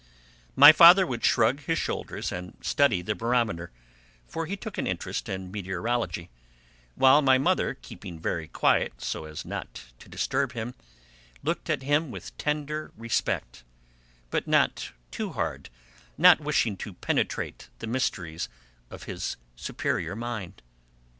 My father would shrug his shoulders and study the barometer, for he took an interest in meteorology, while my mother, keeping very quiet so as not to disturb him, looked at him with tender respect, but not too hard, not wishing to penetrate the mysteries of his superior mind.